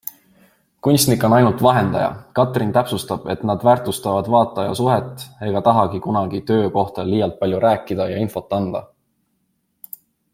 Kunstnik on ainult vahendaja. Katrin täpsustab, et nad väärtustavad vaataja suhet ega tahagi kunagi töö kohta liialt palju rääkida ja infot anda.